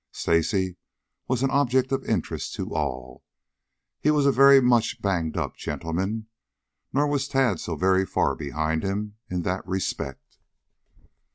Stacy was an object of interest to all. He was a very much banged up gentleman, nor was Tad so very far behind him in that respect.